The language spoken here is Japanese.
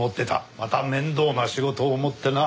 また面倒な仕事を持ってな。